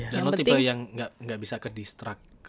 jangan tipe yang gak bisa ke distract